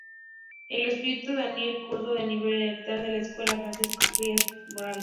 El Obispo Daniel cursó el nivel elemental en la Escuela Francisco Frías Morales.